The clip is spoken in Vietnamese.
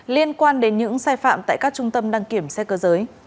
liên quan đến những sai phạm tại các trung tâm đăng kiểm xe cơ giới